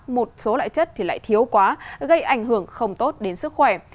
một số loại chất thì lại thiếu quá gây ảnh hưởng không tốt đến sức khỏe